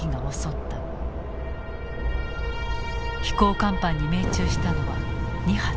飛行甲板に命中したのは２発。